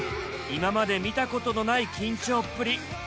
今まで見たことのない緊張っぷり。